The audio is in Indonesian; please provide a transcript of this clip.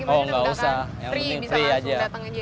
oh nggak usah yang penting free aja